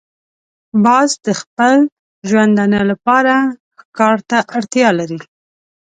باز د خپل ژوندانه لپاره ښکار ته اړتیا لري